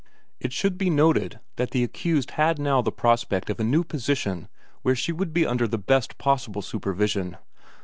It should be noted that the accused had now the prospect of a new position where she would be under the best possible supervision.